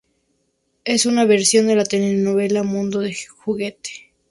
Es una versión de la telenovela Mundo de juguete.